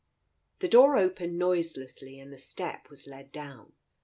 ... The door opened noiselessly, and the step was let down.